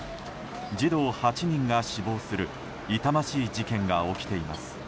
児童８人が死亡する痛ましい事件が起きています。